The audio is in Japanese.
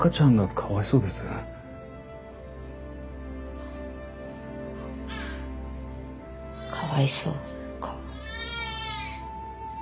かわいそうか。